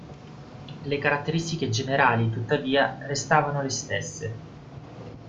Le caratteristiche generali, tuttavia, restavano le stesse.